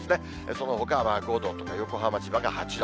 そのほかは５度、横浜、千葉が８度。